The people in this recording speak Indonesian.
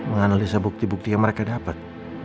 menganalisa bukti bukti yang mereka dapat